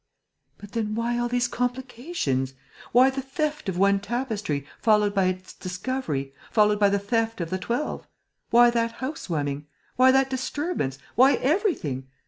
"But then why all these complications? Why the theft of one tapestry, followed by its recovery, followed by the theft of the twelve? Why that house warming? Why that disturbance? Why everything?